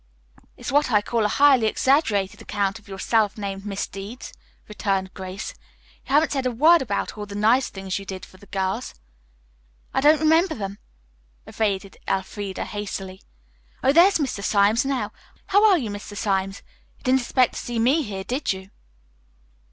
"It's what I call a highly exaggerated account of your self named misdeeds," returned Grace. "You haven't said a word about all the nice things you did for the girls." "I don't remember them," evaded Elfreda hastily. "Oh, there's Mr. Symes now! How are you, Mr. Symes? You didn't expect to see me here, did you?"